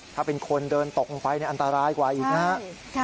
ถ้าเป็นคนเดินตกลงไปอันตรายกว่าอีกนะครับ